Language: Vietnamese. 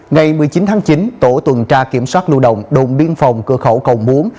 ngày một mươi chín tháng chín tổ tuần tra kiểm soát lưu động đồn biên phòng cơ khẩu cầu bốn